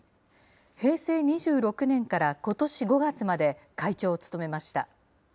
平成２６年からことし５月まで、会長を務めました。